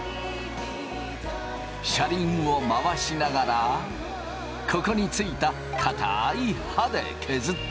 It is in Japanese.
車輪を回しながらここについた硬い刃で削っていく。